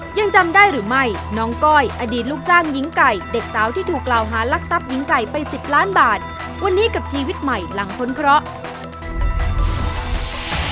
ยังจำได้หรือไม่น้องก้อยอดีตลูกจ้างหญิงไก่เด็กสาวที่ถูกกล่าวหาลักทรัพย์หญิงไก่ไป๑๐ล้านบาทวันนี้กับชีวิตใหม่หลังพ้นเคราะห์